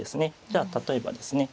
じゃあ例えばですね